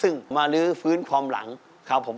ซึ่งมาลื้อฟื้นความหลังครับผม